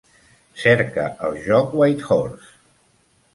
Cerca el joc Whitehorse.